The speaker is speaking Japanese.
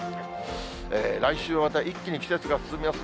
来週はまた一気に季節が進みます。